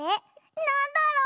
なんだろう？